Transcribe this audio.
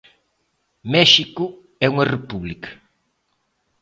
México é unha república.